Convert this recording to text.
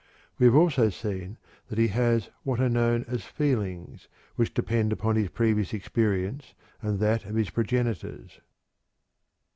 We have also seen that he has what are known as "feelings," which depend upon his previous experience and that of his progenitors.